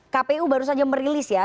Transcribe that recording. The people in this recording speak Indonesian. kpu baru saja merilis ya